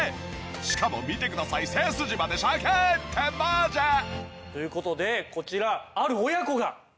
しかも見てください背筋までシャキーンってマジ？という事でこちら。